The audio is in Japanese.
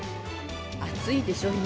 暑いでしょう、今。